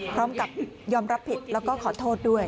พร้อมกับยอมรับผิดแล้วก็ขอโทษด้วย